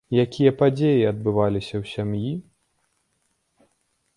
Якія падзеі адбываліся ў сям'і?